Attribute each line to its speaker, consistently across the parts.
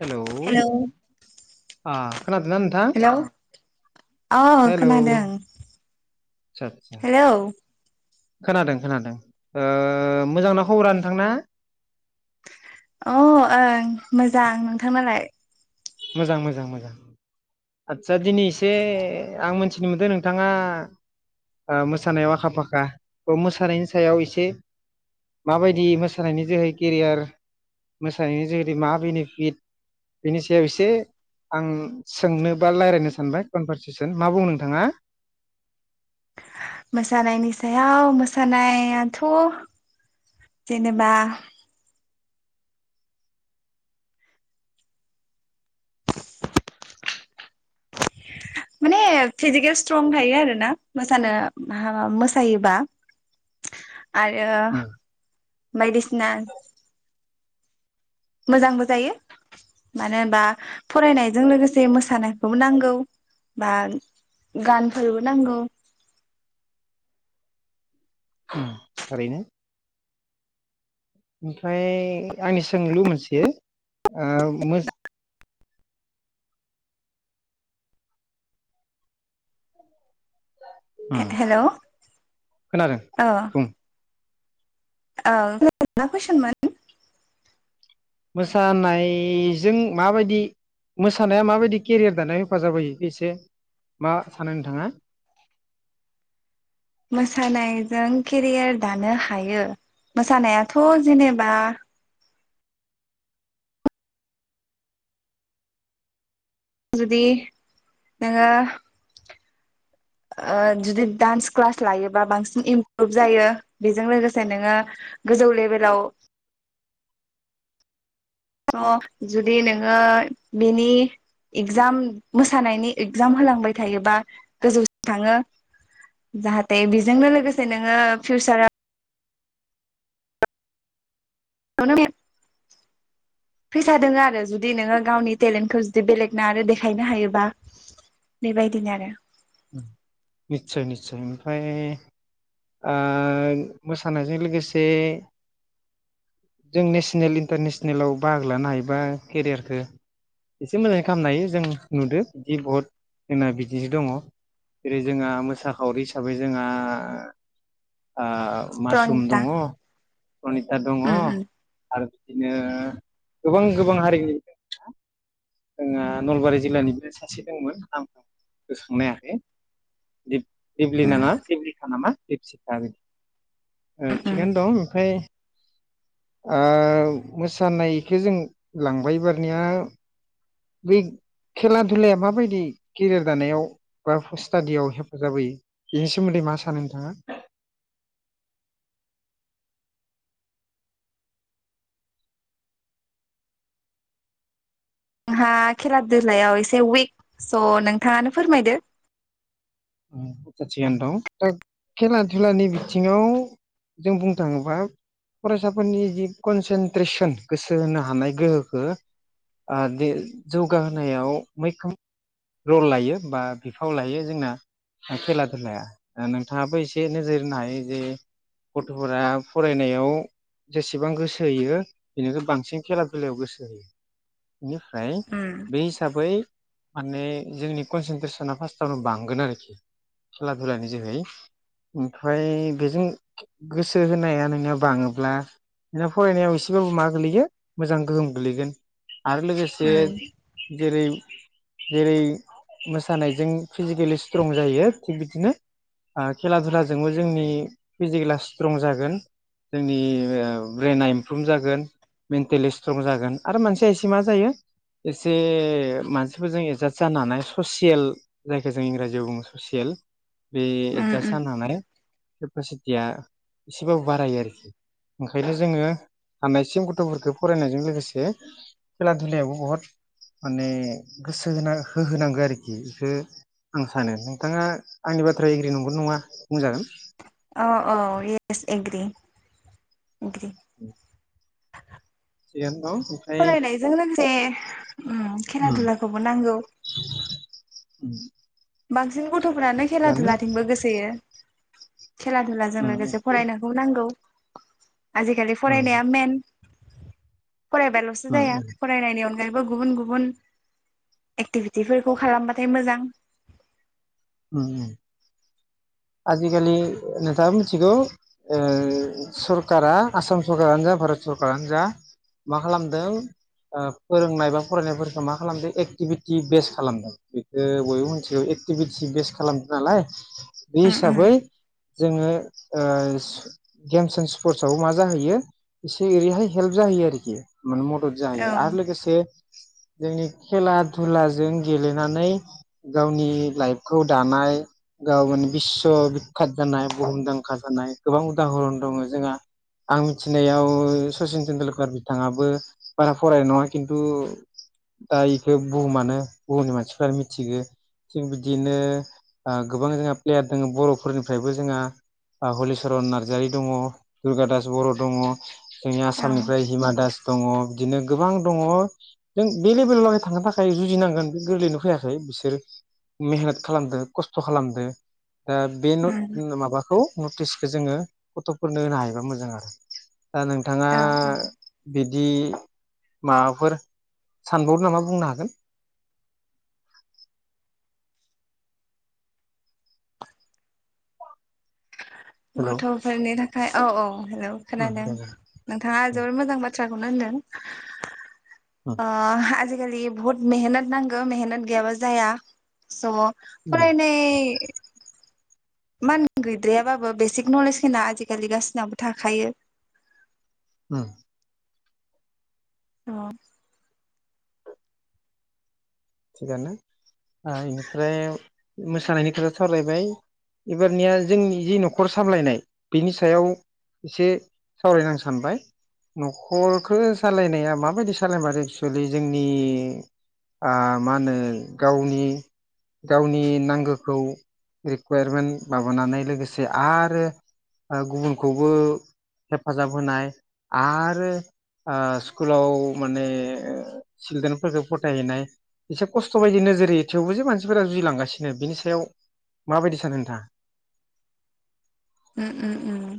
Speaker 1: Hello आ खोनादों ना नोंथा
Speaker 2: हेलौ अ
Speaker 1: हेलौ
Speaker 2: खोनादों हेलौ
Speaker 1: खोनादों-खोनादों ओ मोजांना खबरा नोंथांना?
Speaker 2: अ ओं मोजां नोंथांनालाय?
Speaker 1: मोजां-मोजां-मोजां आदसा दिनै एसे आं मोनथिनो मोनदों नोंथाङा अ मोसानायाव आखा फाखा थ' मोसानायनि सायाव एसे माबायदि मोसानायनि जोहै केरियार मोसानायनि जोहैै मा बेनिफिट बेनि सो सायाव एसे आं सोंनो बा रायलायनो सानबाय कनभारसेसन मा बुं नोंथाङा
Speaker 2: मोसानायनि सायाव मोसानायाथ' जेनेबा माने फिजिकेल स्ट्रं थायो आरोना मोसानो भा मोसायोबा आरो
Speaker 1: उम
Speaker 2: बायदिसिना मोजांबो जायो मानो होनबा फरायनायजों लोगोसे मोसानायखौबो नांगौ बा गानफोरबो नांगौ
Speaker 1: थारैनो ओमफ्राय आंनि सोंलु मोनसे ओ मो- उम
Speaker 2: हे-हेल' ओ
Speaker 1: खोनादों बुं
Speaker 2: औ मा कुइसनमोन?
Speaker 1: मोसानायजों माबायदि मोसानाया माबायदि केरियार दानायाव हेफाजाब होयोख एसे मा सानो नोंथाङा
Speaker 2: मोसानायजों केरियार दानो हायो मोसानायाथ' जेनेबा जुदि नोङो ओ जुदि डान्स क्लास लायोबा बांसिन इमप्रुभ जायो बेजों लोगोसे नोङो गोजौ लेभेलाव अ जुदि नोङो बेनि इगजाम मोसानायनि इगजाम होलांबाय थायोबा गोजौसिम थाङो जाहाथे बेजोंनो लोगोसे नोङो फिउसाराव फैसा दोनो आरो जुदि नोङो गावनि टेलेन्टखौ जुदि बेलेगना आरो देखायनो हायोबा बेबायदिनो आरो
Speaker 1: निस्सय-निस्सय ओमफ्राय ओ मोसानायजों लोगोसे जों नेसनेल इन्टारनेसनेलाव बाहागो लानो हायोबा केरियारखौ एसे मोजाङै खामनो हायो जों नुदो दि बत जोंना बिदिसो दङ जेरै जोंहा मोसाखावरि हिसाबै जोंहा मासुम
Speaker 2: प्रनिता
Speaker 1: दङ प्रनिता दङ
Speaker 2: उम उम
Speaker 1: आरो बिदिनो गोबां गोबां हारिनि जोंहा नलबारि जिल्लानिबो सासे दंमोन आं गोसो खांनो हायाखै दिप-दिपलिना
Speaker 2: उम
Speaker 1: ना दिबलिखा नामा दिपसिखा बि ओ थिगानो
Speaker 2: आंहा
Speaker 1: दं ओमफ्राय ओ मोसानायखौ जों लांबाय एबारनिया बे खेला धुलाया माबायदि केरियार दानायाव बा स्टाडियाव हेफाजाब होयो बेनि सोमोन्दै मा सानो नोंथाङा?
Speaker 2: आंहा खेला दुलायाव एसे उइक स' नोंथाङानो फोरमायदो
Speaker 1: आतसा थिगानो दं दा खेला थुलानि बिथिङाव जों बुंनो थाङोबा फरायसाफोरनि जि कनसेन्ट्रेसन गोसो होनो हानाय गोहोखौ अ दि जौगाहोनायाव मैखोम रल लायो बा बिफाव लायो जोंना खेला धुलाया दा नोंथाङाबो एसे नोजोर होनो हायो जे गथ'फोरा फरायनायाव जेसेबां गोसो होयो बेनिख्रै बांसिन खेला दुलायाव गोसो होयो बेनिफ्राय
Speaker 2: उम
Speaker 1: बे हिसाबै माने जोंनि कनसेनट्रेसना फार्स्टावनो बांगोन आरोखि खेला दुलानि जोहै ओमफ्राय बेजों गोसो होनाया नोंना बाङोब्ला नोंना फरायनायाव एसेबाबो मा गोलैयो मोजां गोहोम गोलैगोन आरो लोगोसे
Speaker 2: उम
Speaker 1: जेरै- जेरै- मोसानायजों फिजिकेलि स्ट्रं जायो थिग बिदिनो खेला दुलाजोंबो जोंनि फिजिकेला स्ट्रं जागोन जोंनि ब्रेना इमप्रुभ जागोन मेन्टेलि स्ट्रं जागोन आरो मानसिया एसे मा जायो एसे मानसिफोरजों एदजास्ट जानो हानाय ससियेल जायखौ जों इंराजि- आव ससियेल बे
Speaker 2: उम
Speaker 1: एदजास्ट
Speaker 2: उम
Speaker 1: जानानै केपासिटिया एसेबाबो बारायो आरोखि ओंखायनो जोङो हानायसिम गथ'फोरखौ फरायनायजों लोगोसे खेला धुलायावबो बहुद माने गोसो होना होहोनांगौ आरोखि इखो आं सानो नोंथाङा आंनि बाथ्राया एग्रि नंगोन नङा बुंजागोन।
Speaker 2: औ औ येस एग्रि एग्रि
Speaker 1: [inaudible] थिगानो न?
Speaker 2: फरायनायजों लोगोसे उम खेला दुलाखौबो नांगौ। बांसिन गुन गथ'फ्रानो खेला
Speaker 1: थिगानो
Speaker 2: दुलाथिंबो गोसोयो। खेला दुलाजों
Speaker 1: उम
Speaker 2: लोगोसे फरायनायखौबो नांगौ। आजिखालि
Speaker 1: उम
Speaker 2: फरायनाया मेन फरायबाल'सो जाया
Speaker 1: उम
Speaker 2: फरायनायनि अनगायैब गुबुन गुबुन एक्टिभिटिफोरखौ खालामबाथाय मोजां।
Speaker 1: उम उम आजिखालि नोंथाङा मिथिगौ सरकारा आसाम सरकारानो जा भारत सरकारानो जा मा खालामदों फोरोंनाय बा फरायनायफोरखौ मा खालामदों एक्टिभिटि बेस खालामदों बेखौ बयबो मिथिगौ एक्टिभिटि बेस खालामदों नालाय? बे
Speaker 2: उम
Speaker 1: हिसाबै
Speaker 2: उम
Speaker 1: जोङो ओ गेम्स एन्ड स्पर्टसवबो मा जाहैयो इसे ओरैहाय हेल्प जाहैयो आरो माने मदद
Speaker 2: औ
Speaker 1: जायो आरो लोगोसे जोंनि खेला धुलाजों गेलेनानै गावनि लाइफ खौ दानाय गाव माने बिस्स' बिखात जानाय बुहुमदांखा जानाय गोबां उदाहरन दङ जोंहा आं मिथिनायाव सचिन तटेेनडुलकार बिथाङाबो बारा फरायनाय नङा किन्थु दा बेखौ बुहुमानो बुहुमनि मानसिफोरानो मिथिगो थिग बे दिनो गोबां जोंहा प्लेयार दङ बर'फोरनिफ्रायबो जोंहा हलिचरन नार्जारि दङ दुर्गा दास बर' दङ। जोंनि
Speaker 2: औ
Speaker 1: आसामनिफ्राय हिमा दास दङ। बिदिनो गोबां दङ जों बे लेभेलाव लागै थांनो थाखाय जुजिनांगोन बे गोरलैनो फैयाखै बिसोर मेहेनत खालामदों खस्थ' खालामदों। दा बे
Speaker 2: उम
Speaker 1: नट माबाखौ नटिस जोङो गथ'फोरनो होनो हायोबा मोजां आरो दा नोंथाङा
Speaker 2: औ
Speaker 1: बिद दि माबाफोर सानबावो नामा बुंनो हागोन? हेलौ
Speaker 2: गथ'फोरनि था फाय औ औ हेलौ
Speaker 1: ओं
Speaker 2: खोनादों
Speaker 1: जागोन
Speaker 2: नोंथाङा
Speaker 1: ओं
Speaker 2: जोबोर मोजां बाथ्रा थ्राखौनो होनदों। अ आजिख जिखालि बुहुत मेहनत नांगो मेहनत गैयाबा जाया स
Speaker 1: ओं
Speaker 2: फरायनाय मान गैद्रायाबाबो बेसिक नलेज होना आजिखालि गासिनावबो थाखायो।
Speaker 1: उम
Speaker 2: औ
Speaker 1: थिगानो इनिफ्राय मोसानायनि खोथा सावरायबाय एबारनिया जोंनि जि न'खर सामलायनाय बिनि सायाव एसे सावरायनां सानबाय न'खरखौ सालायनाया माबायदि सालायमारो एक्सुेलि जोंनि मा होनो गावनि गावनि नांगौखौ रिकुयारमेन्ट माबानानै लोगोसे आरो गुबुनखौबो हेफाजाब होनाय आरो स्कुलाव माने सिलद्रेनफोरखौ फोथायहैनाय एसे खस्थ' बायदि नोजोर होयो थेवबो जे मानसिफोरा जुजिलांगासिनो बिनि सायाव माबायदि सानो नोंथाङा?
Speaker 2: ओम ओम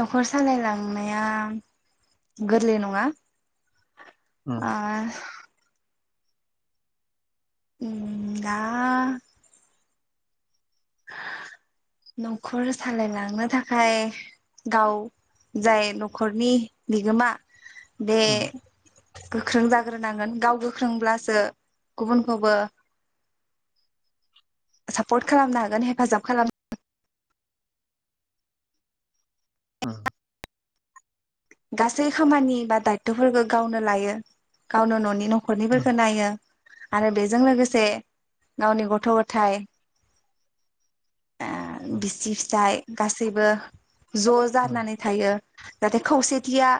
Speaker 2: न'खर सालायलांनाया गोरलै नङा।
Speaker 1: उम
Speaker 2: आ उम दा। न'खर सालायलांनो थाखाय गाव जाय न'खरनि बिगोमा बे
Speaker 1: उम
Speaker 2: गोख्रों जाग्रोनांगोन गाव गोख्रोंब्लासो गुबुनखौबो सापर्ट खालामनो हागोन हेफाजाब खालामोन
Speaker 1: औ।
Speaker 2: गासै खामानि बा दायथ'फोरखौ गावनो लायो गावनो न'नि न' न'खरनिफोरखौ नायो। आरो बेजों लोगोसे गावनि गथ' गथायाइ बिसि फिसाइ। गासैबो ज'
Speaker 1: उम
Speaker 2: जारानानै थायो। जाहाथे खौसेथिया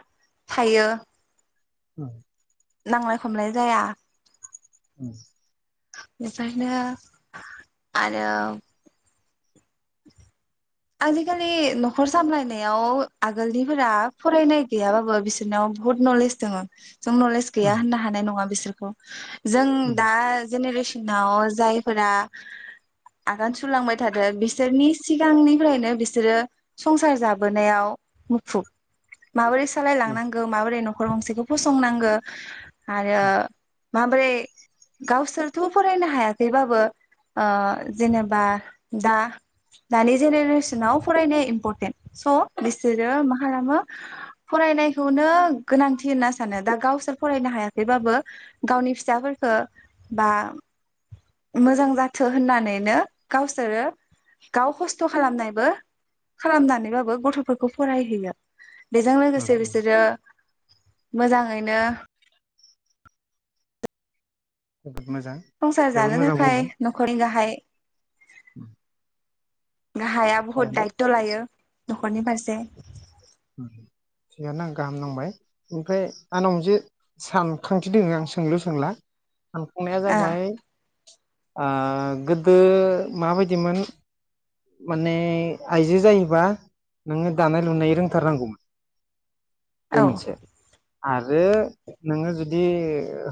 Speaker 2: थायो।
Speaker 1: औ।
Speaker 2: नांलाय खमलाय जाया।
Speaker 1: औ।
Speaker 2: बेफोरनो आरो आजिखालि न'खर सामलायनायाव आगोलनिफोरा फरायनाय गैयाबाबो बिसोरनाव बहुत नलेज दङ। जों नलेज
Speaker 1: उम
Speaker 2: गैया होननो हानाय नङा बिसोर [unintelligible] जों दा जेनेरेसनाव जाय फोरा आगान सुरलांबाय थादों बिसोरनि सिगांनि फ्रायनो बिसोरो संसार जाबोनायाव मुखुब माबोरै सालायलांनांगौ माबोरै न' नखर गंसेखौ फसंनांगो। आरो
Speaker 1: उम
Speaker 2: माब्रै गावसोरथ' फरायनो हायाखैबाबो जेनेबा दा दानि जेनेरेसनाव फरायनाया इम्परटेन्ट स' बिसोरो मा खालामो फरायनायखौनो गोनांथि होनना सानो दा गावसोर फरायनो हायाखैबाबो गावनि फिसाफोरफोरखौ बा मोजां जाथो होननानैनो गावसोरो गाव खस्थ' खालामनायबो खालामनानैबाबो गथ'फोरखौ फरायहैयो। बेजों
Speaker 1: उम
Speaker 2: लोगोसे बिसोरो मोजाङैनो
Speaker 1: [unintelligible]
Speaker 2: संसार
Speaker 1: जोबोद
Speaker 2: जानो
Speaker 1: मोजां
Speaker 2: थाखाय
Speaker 1: बुंदों
Speaker 2: न'खरनि गाहाय
Speaker 1: [unintelligible]
Speaker 2: गाहाया बहुत
Speaker 1: थिगानो।
Speaker 2: दायथ लायो दखाननि फारसे
Speaker 1: थिगानो आं गाहाम नांबाय ओमफ्राय आंनाव मोनसे सानखांथि दंङ आं सोंलु सोंला सानफुंनाया
Speaker 2: ओ
Speaker 1: जाबाय आं गोदो माबायदिमोन माने आइजो जायोबा नोंङो दानाय लुनाय रों थारनांगौ बे
Speaker 2: औ
Speaker 1: मोनसे आरो नोंङो जुदि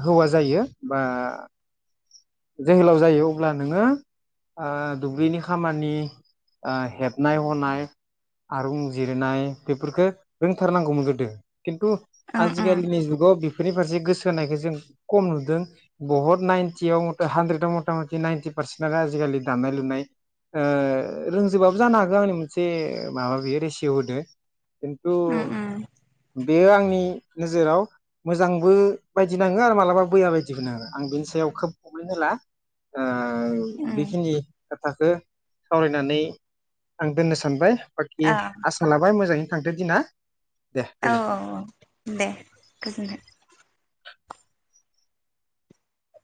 Speaker 1: हौवा जायो बा जोहोलाव जायो अब्ला नोंङो ओ दुब्लिनि खामानि ओ हेबनाय हनाय आरुं जिरनाय बेफोरखो रोंथारनांगौमोन गोदो खिन्थु
Speaker 2: उम
Speaker 1: आजि
Speaker 2: उम
Speaker 1: कालिनि जुगाव बिबदि बेफोरनि फारसे गोसो होनायखौ जों खम नुदों बहुत नाइनटियाव हानद्रेदआव मथा मथि नाइनटि पारसेन्टआ आजिखालि दानाय लुनाय ओ रोंजोबाबो जानो हागौ आंनि मोनसे माबा बेयो रेसिय' होदो खिन्थु
Speaker 2: उम उम
Speaker 1: बेयो आंनि नोजोराव मोजांबो बायदि नांङो आरो मालाबा बैया बायदिबो नांङो आं बेनि सायाव खोब प्रब्लेम होला ओ ओ
Speaker 2: उम
Speaker 1: बेखिनि खोथाखो सावरायनानै आं दोननो सानबाय बाखि
Speaker 2: ओ
Speaker 1: आसा लाबाय मोजांङै थांथो दिना
Speaker 2: औ औ औ दे गोजोन्थों